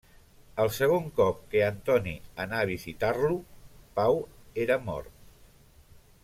El segon cop que Antoni anà a visitar-lo, Pau era mort.